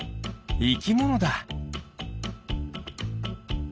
いきものだ。